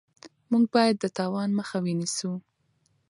موږ باید د تاوان مخه ونیسو.